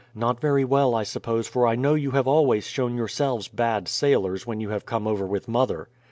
"Not very well, I suppose; for I know you have always shown yourselves bad sailors when you have come over with mother."